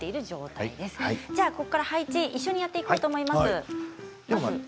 配置を一緒にやっていこうと思います。